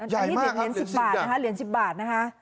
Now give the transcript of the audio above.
ใหญ่มากครับเหรียญ๑๐บาทนะคะ